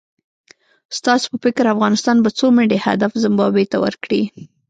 ستاسو په فکر افغانستان به څو منډي هدف زیمبابوې ته ورکړي؟